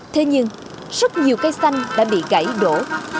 thế nhưng rất nhiều cây xanh đã bị gãy đổ